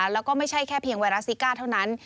แล้วก็ไม่ใช่แค่เพียงไวรัสซิก้าเท่านั้น